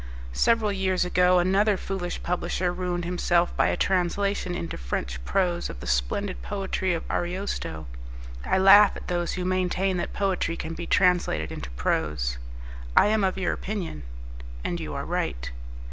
"Several years ago, another foolish publisher ruined himself by a translation into French prose of the splendid poetry of Ariosto. I laugh at those who maintain that poetry can be translated into prose." "I am of your opinion." "And you are right."